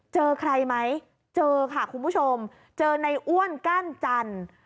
เจอใครไหมเจอค่ะคุณผู้ชมเจอในอ้วนก้านจันทร์